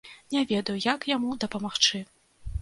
Не ведаю, як яму дапамагчы.